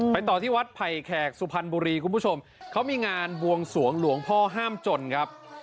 ต่อที่วัดไผ่แขกสุพรรณบุรีคุณผู้ชมเขามีงานบวงสวงหลวงพ่อห้ามจนครับ